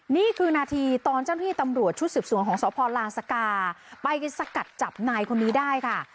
นี่คือนาทีตอนเจ้าหน้าที่ตำรวจชุดสืบสวนของสพลานสกาไปสกัดจับนายคนนี้ได้ค่ะ